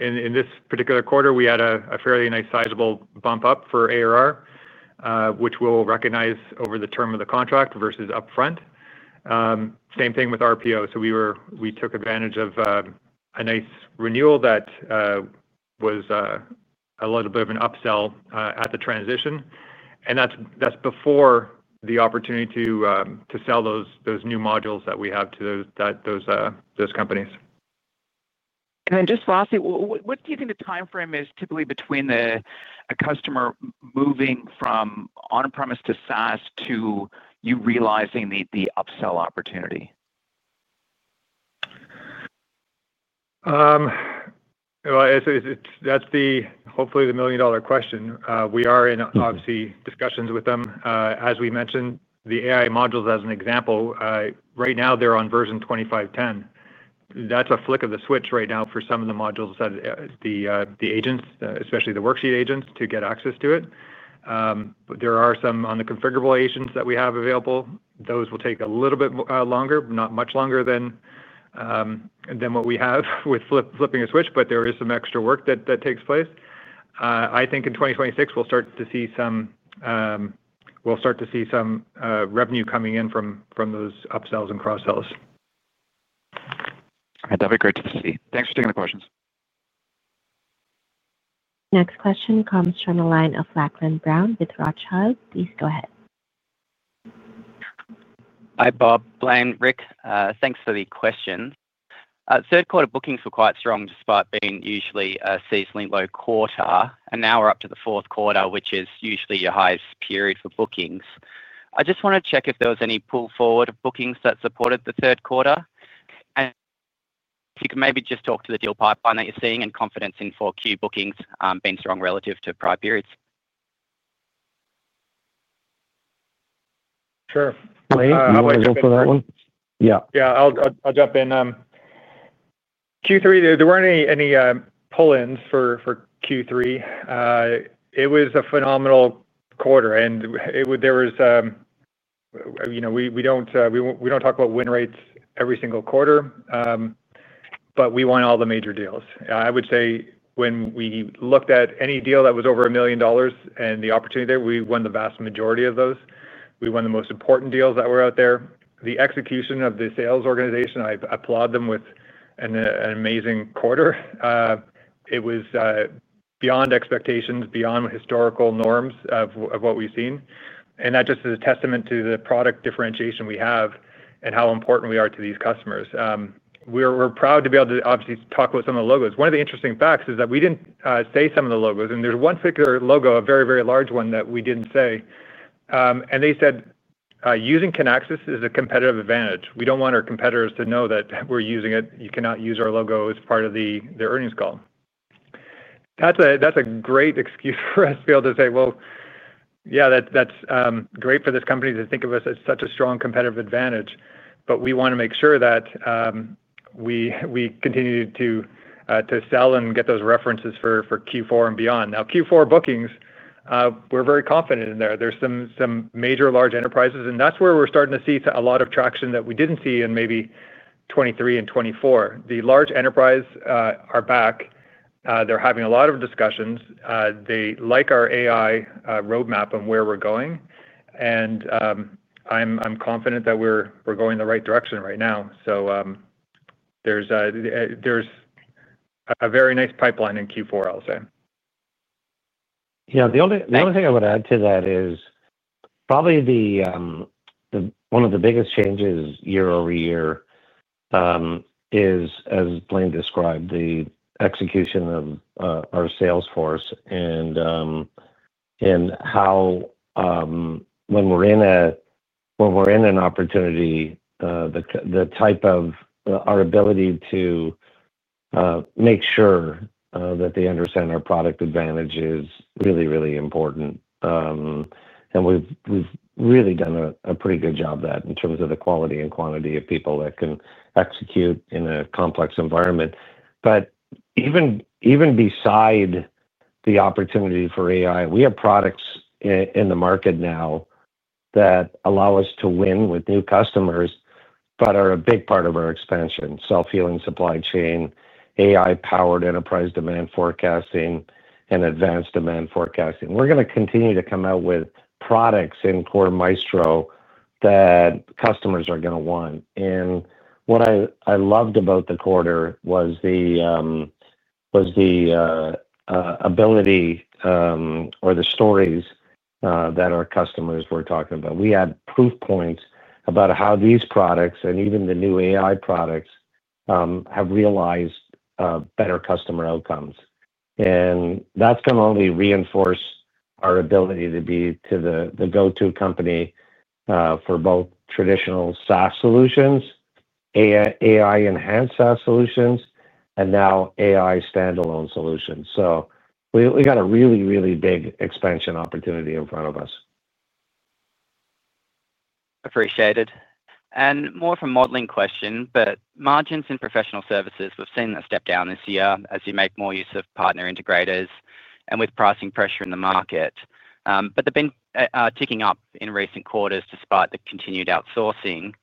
Speaker 3: In this particular quarter, we had a fairly nice sizable bump up for ARR, which we'll recognize over the term of the contract versus upfront. Same thing with RPO. We took advantage of a nice renewal that was a little bit of an upsell at the transition. That's before the opportunity to sell those new modules that we have to those companies.
Speaker 6: Lastly, what do you think the timeframe is typically between a customer moving from on-premise to SaaS to you realizing the upsell opportunity?
Speaker 3: That's hopefully the million-dollar question. We are in, obviously, discussions with them. As we mentioned, the AI modules, as an example, right now, they're on version 2510. That's a flick of the switch right now for some of the modules that the agents, especially the worksheet agents, to get access to it. There are some on the configurable agents that we have available. Those will take a little bit longer, not much longer than what we have with flipping a switch, but there is some extra work that takes place. I think in 2026, we'll start to see some. We'll start to see some revenue coming in from those upsells and cross-sells.
Speaker 6: That'd be great to see. Thanks for taking the questions.
Speaker 1: Next question comes from the line of Lachlan Brown with Rothchild. Please go ahead.
Speaker 7: Hi, Bob, Blaine, Rick, thanks for the question. Third quarter bookings were quite strong despite being usually a seasonally low quarter, and now we're up to the fourth quarter, which is usually your highest period for bookings. I just want to check if there was any pull forward of bookings that supported the third quarter. If you could maybe just talk to the deal pipeline that you're seeing and confidence in Q4 bookings being strong relative to prior periods.
Speaker 3: Sure. Blaine, how about you for that one?
Speaker 4: Yeah. I'll jump in. Q3, there weren't any pull-ins for Q3. It was a phenomenal quarter, and there was. We don't talk about win rates every single quarter. But we won all the major deals. I would say when we looked at any deal that was over $1 million and the opportunity there, we won the vast majority of those. We won the most important deals that were out there. The execution of the sales organization, I applaud them with. An amazing quarter. It was. Beyond expectations, beyond historical norms of what we've seen. That just is a testament to the product differentiation we have and how important we are to these customers. We're proud to be able to, obviously, talk about some of the logos. One of the interesting facts is that we didn't say some of the logos. And there's one particular logo, a very, very large one that we didn't say. They said, "Using Kinaxis is a competitive advantage. We don't want our competitors to know that we're using it. You cannot use our logo as part of their earnings call." That's a great excuse for us to be able to say, "Yeah, that's great for this company to think of us as such a strong competitive advantage." We want to make sure that we continue to sell and get those references for Q4 and beyond. Now, Q4 bookings, we're very confident in there. are some major large enterprises, and that is where we are starting to see a lot of traction that we did not see in maybe 2023 and 2024. The large enterprises are back. They are having a lot of discussions. They like our AI roadmap and where we are going. I am confident that we are going the right direction right now. There is a very nice pipeline in Q4, I will say.
Speaker 3: The only thing I would add to that is probably one of the biggest changes year over year is, as Blaine described, the execution of our sales force and how, when we are in an opportunity, the type of our ability to make sure that they understand our product advantage is really, really important. We have really done a pretty good job of that in terms of the quality and quantity of people that can execute in a complex environment. Even. Beside the opportunity for AI, we have products in the market now that allow us to win with new customers but are a big part of our expansion: self-healing supply chain, AI-powered enterprise demand forecasting, and advanced demand forecasting. We're going to continue to come out with products in core Maestro that customers are going to want. What I loved about the quarter was the ability, or the stories that our customers were talking about. We had proof points about how these products and even the new AI products have realized better customer outcomes. That's going to only reinforce our ability to be the go-to company for both traditional SaaS solutions, AI-enhanced SaaS solutions, and now AI standalone solutions. We got a really, really big expansion opportunity in front of us.
Speaker 7: Appreciated. More of a modeling question, but margins in professional services, we've seen that step down this year as you make more use of partner integrators and with pricing pressure in the market. They've been ticking up in recent quarters despite the continued outsourcing.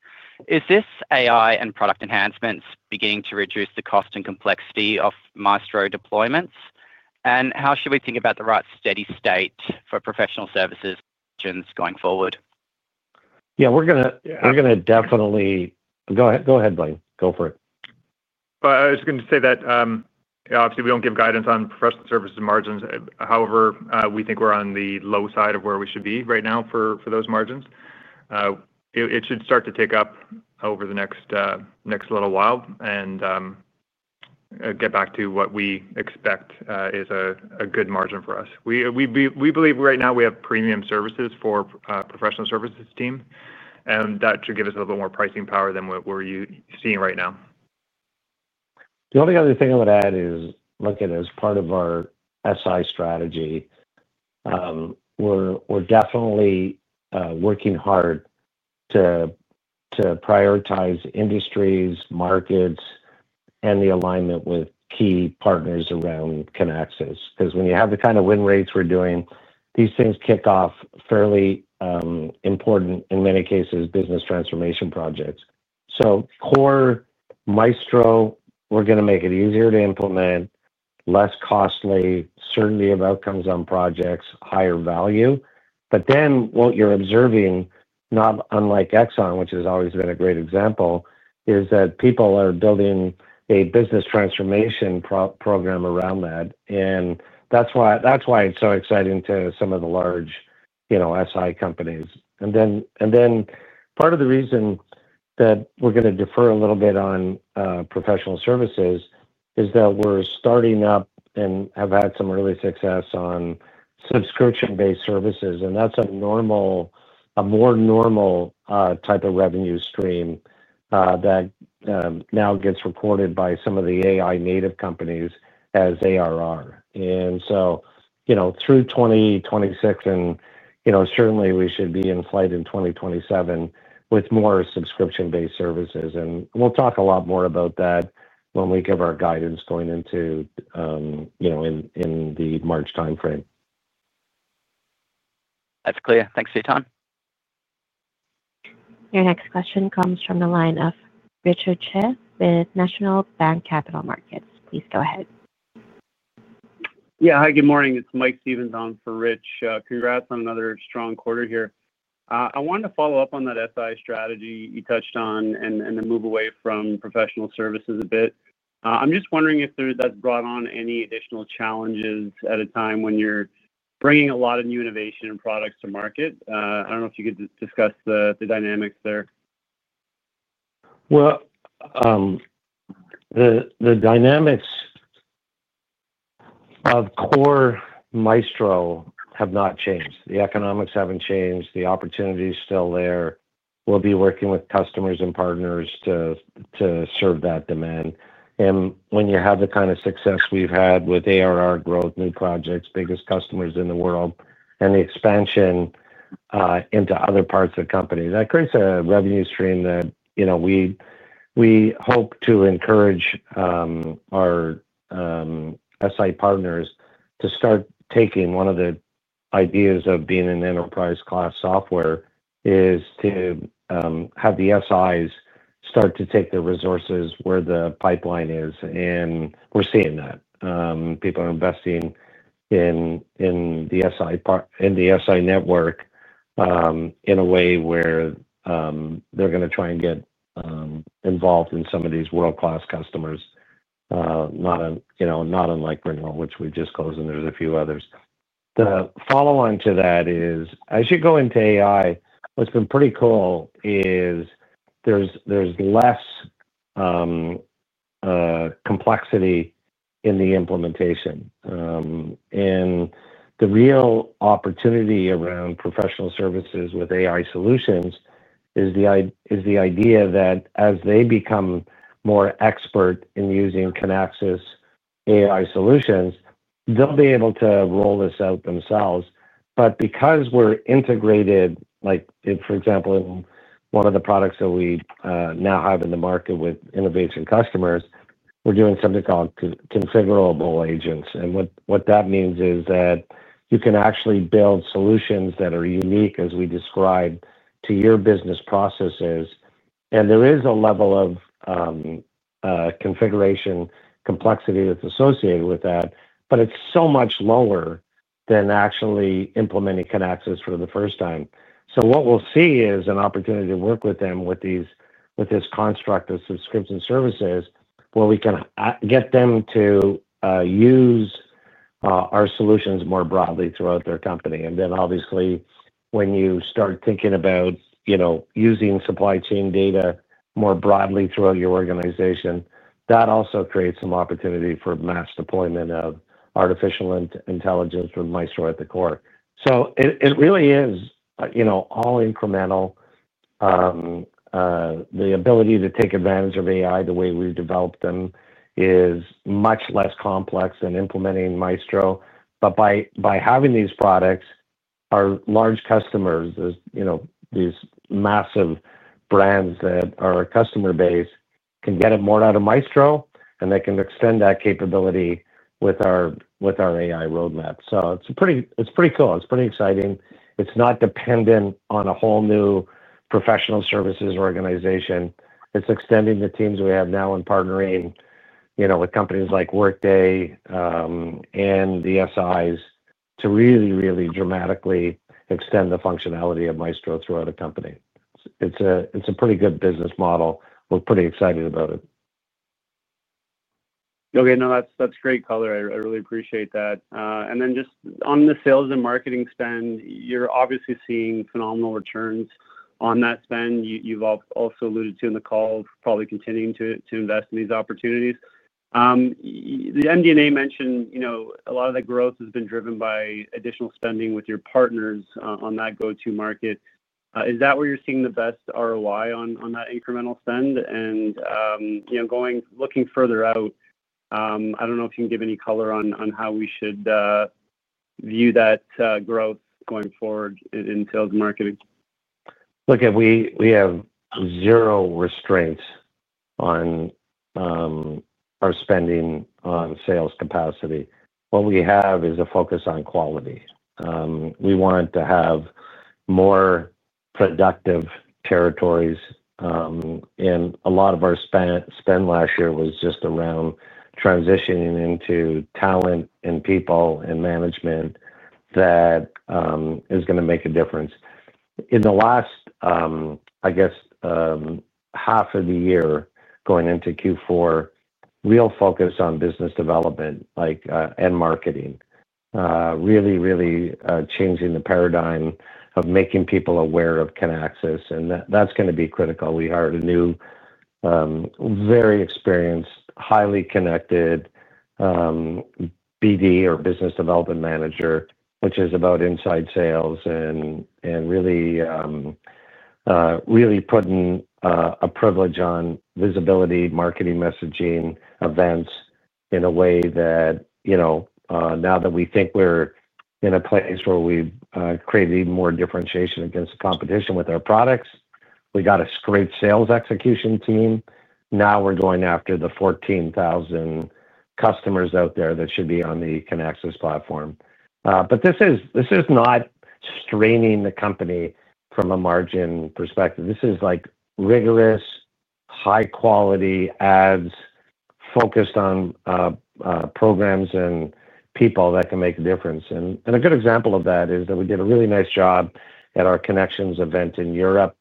Speaker 7: Is this AI and product enhancements beginning to reduce the cost and complexity of Maestro deployments? How should we think about the right steady state for professional services going forward?
Speaker 3: Yeah. We're going to definitely—go ahead, Blaine. Go for it.
Speaker 4: I was going to say that. Obviously, we don't give guidance on professional services margins. However, we think we're on the low side of where we should be right now for those margins. It should start to tick up over the next little while and get back to what we expect is a good margin for us. We believe right now we have premium services for our professional services team, and that should give us a little more pricing power than what we're seeing right now.
Speaker 3: The only other thing I would add is, look at it as part of our SI strategy. We're definitely working hard to prioritize industries, markets, and the alignment with key partners around Kinaxis. Because when you have the kind of win rates we're doing, these things kick off fairly important, in many cases, business transformation projects. Core Maestro, we're going to make it easier to implement, less costly, certainty of outcomes on projects, higher value. What you're observing, not unlike ExxonMobil, which has always been a great example, is that people are building a business transformation program around that. That is why it's so exciting to some of the large SI companies. Part of the reason that we're going to defer a little bit on professional services is that we're starting up and have had some early success on subscription-based services. That's a more normal type of revenue stream that now gets recorded by some of the AI-native companies as ARR. Through 2026, and certainly, we should be in flight in 2027 with more subscription-based services. We'll talk a lot more about that when we give our guidance going into the March timeframe.
Speaker 7: That's clear. Thanks for your time.
Speaker 1: Your next question comes from the line of Richard Chu with National Bank Capital Markets. Please go ahead.
Speaker 8: Yeah, hi, good morning. It's Mike Stevens on for Rich. Congrats on another strong quarter here. I wanted to follow up on that SI strategy you touched on and then move away from professional services a bit. I'm just wondering if that's brought on any additional challenges at a time when you're bringing a lot of new innovation and products to market. I don't know if you could discuss the dynamics there.
Speaker 3: The dynamics of core Maestro have not changed. The economics haven't changed. The opportunity is still there. We'll be working with customers and partners to serve that demand. When you have the kind of success we've had with ARR growth, new projects, biggest customers in the world, and the expansion into other parts of the company, that creates a revenue stream that we hope to encourage. Our SI partners to start taking one of the ideas of being an enterprise-class software is to have the SIs start to take the resources where the pipeline is. We're seeing that. People are investing in the SI network in a way where. They're going to try and get involved in some of these world-class customers, not unlike Renault, which we just closed, and there's a few others. The follow-on to that is, as you go into AI, what's been pretty cool is there's less complexity in the implementation. The real opportunity around professional services with AI solutions is the idea that as they become more expert in using Kinaxis AI solutions, they'll be able to roll this out themselves. Because we're integrated, for example, in one of the products that we now have in the market with innovation customers, we're doing something called configurable agents. What that means is that you can actually build solutions that are unique, as we described, to your business processes. There is a level of. Configuration complexity that's associated with that, but it's so much lower than actually implementing Kinaxis for the first time. What we'll see is an opportunity to work with them with this construct of subscription services where we can get them to use our solutions more broadly throughout their company. Obviously, when you start thinking about using supply chain data more broadly throughout your organization, that also creates some opportunity for mass deployment of artificial intelligence with Maestro at the core. It really is all incremental. The ability to take advantage of AI the way we've developed them is much less complex than implementing Maestro. By having these products, our large customers, these massive brands that are our customer base, can get more out of Maestro, and they can extend that capability with our AI roadmap. It's pretty cool. It's pretty exciting. It's not dependent on a whole new professional services organization. It's extending the teams we have now and partnering with companies like Workday. And the SIs to really, really dramatically extend the functionality of Maestro throughout the company. It's a pretty good business model. We're pretty excited about it.
Speaker 8: Okay. No, that's great, color. I really appreciate that. And then just on the sales and marketing spend, you're obviously seeing phenomenal returns on that spend. You've also alluded to in the call of probably continuing to invest in these opportunities. The MD&A mentioned a lot of the growth has been driven by additional spending with your partners on that go-to market. Is that where you're seeing the best ROI on that incremental spend? And. Looking further out. I don't know if you can give any color on how we should. View that growth going forward in sales and marketing.
Speaker 3: Look, we have zero restraints on our spending on sales capacity. What we have is a focus on quality. We want to have more productive territories. And a lot of our spend last year was just around transitioning into talent and people and management. That is going to make a difference. In the last, I guess, half of the year going into Q4, real focus on business development and marketing. Really, really changing the paradigm of making people aware of Kinaxis. And that's going to be critical. We hired a new, very experienced, highly connected BD, or business development manager, which is about inside sales and really putting a privilege on visibility, marketing messaging, events in a way that now that we think we're in a place where we've created even more differentiation against the competition with our products, we got a great sales execution team. Now we're going after the 14,000 customers out there that should be on the Kinaxis platform. This is not straining the company from a margin perspective. This is rigorous, high-quality ads focused on programs and people that can make a difference. A good example of that is that we did a really nice job at our Connections event in Europe.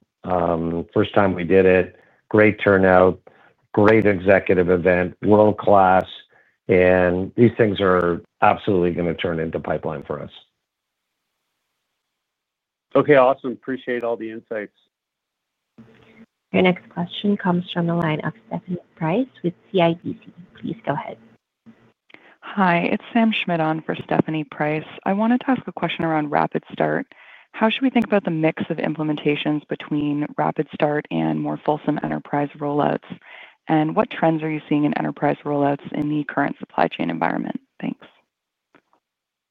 Speaker 3: First time we did it. Great turnout, great executive event, world-class. These things are absolutely going to turn into pipeline for us.
Speaker 8: Okay. Awesome. Appreciate all the insights.
Speaker 1: Your next question comes from the line of Stephanie Price with CIDC. Please go ahead.
Speaker 9: Hi. It's Sam Schmidt on for Stephanie Price. I wanted to ask a question around RapidStart. How should we think about the mix of implementations between RapidStart and more fulsome enterprise rollouts? What trends are you seeing in enterprise rollouts in the current supply chain environment? Thanks.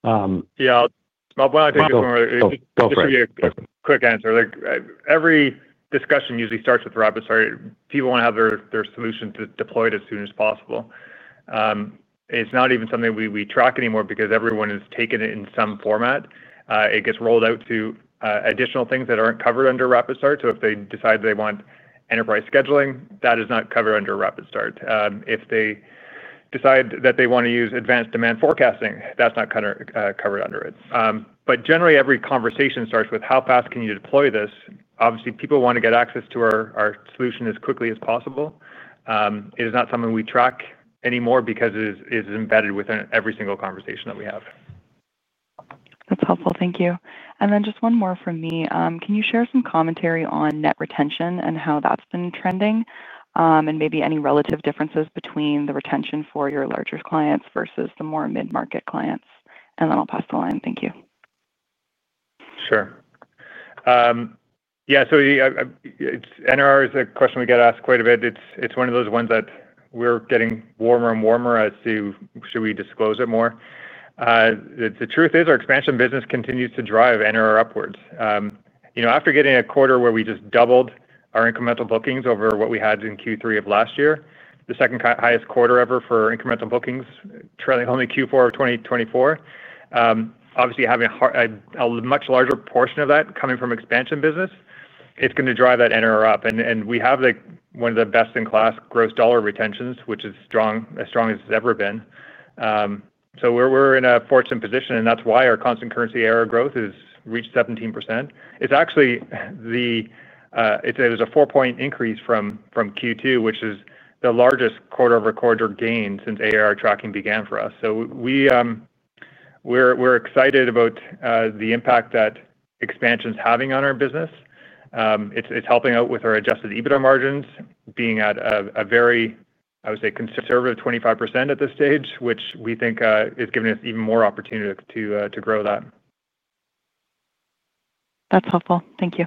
Speaker 3: Yeah. I think. Go for it. Go for it.
Speaker 4: Quick answer. Every discussion usually starts with RapidStart. People want to have their solution deployed as soon as possible. It's not even something we track anymore because everyone has taken it in some format. It gets rolled out to additional things that aren't covered under RapidStart. If they decide they want enterprise scheduling, that is not covered under RapidStart. If they decide that they want to use advanced demand forecasting, that's not covered under it. Generally, every conversation starts with, "How fast can you deploy this?" Obviously, people want to get access to our solution as quickly as possible. It is not something we track anymore because it is embedded within every single conversation that we have.
Speaker 9: That's helpful. Thank you. And then just one more from me. Can you share some commentary on net retention and how that's been trending and maybe any relative differences between the retention for your larger clients versus the more mid-market clients? And then I'll pass the line. Thank you.
Speaker 4: Sure. Yeah. So NRR is a question we get asked quite a bit. It's one of those ones that we're getting warmer and warmer as to, "Should we disclose it more?" The truth is our expansion business continues to drive NRR upwards. After getting a quarter where we just doubled our incremental bookings over what we had in Q3 of last year, the second-highest quarter ever for incremental bookings trailing only Q4 of 2024. Obviously, having a much larger portion of that coming from expansion business, it's going to drive that NRR up. We have one of the best-in-class gross dollar retentions, which is as strong as it's ever been. We are in a fortunate position, and that's why our constant currency ARR growth has reached 17%. It's actually a four-point increase from Q2, which is the largest quarter-over-quarter gain since ARR tracking began for us. We are excited about the impact that expansion is having on our business. It's helping out with our adjusted EBITDA margins, being at a very, I would say, conservative 25% at this stage, which we think is giving us even more opportunity to grow that.
Speaker 9: That's helpful. Thank you.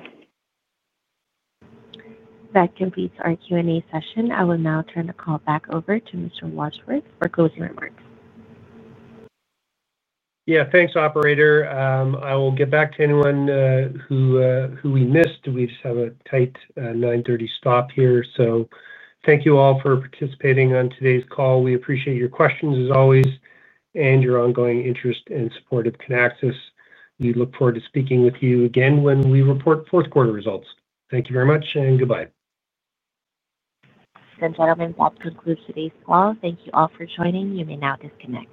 Speaker 1: That completes our Q&A session. I will now turn the call back over to Mr. Wadsworth for closing remarks.
Speaker 2: Yeah. Thanks, operator. I will get back to anyone who we missed. We have a tight 9:30 stop here. Thank you all for participating on today's call. We appreciate your questions, as always, and your ongoing interest and support of Kinaxis. We look forward to speaking with you again when we report fourth-quarter results. Thank you very much, and goodbye.
Speaker 1: Ladies and gentlemen, we'll conclude today's call. Thank you all for joining. You may now disconnect.